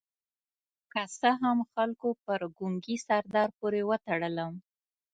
که څه هم خلکو پر ګونګي سردار پورې وتړلم.